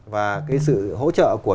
và sự hỗ trợ của